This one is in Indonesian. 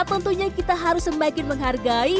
tentunya kita harus semakin menghargai